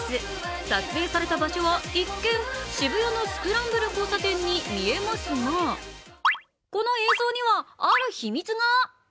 撮影された場所は一見、渋谷のスクランブル交差点に見えますがこの映像にはある秘密が。